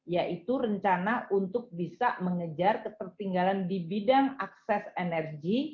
yaitu rencana untuk bisa mengejar ketertinggalan di bidang akses energi